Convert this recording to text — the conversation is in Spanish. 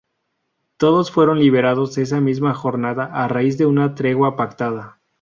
Todos fueron liberados esa misma jornada a raíz de una tregua pactada.